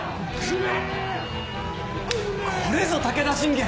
これぞ武田信玄！